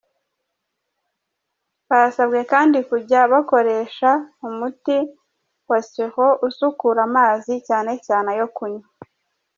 Basabwe kandi kujya bakoresha umuti wa Sur'Eau usukura amazi cyane cyane ayo kunywa.